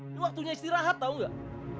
ini waktunya istirahat tau gak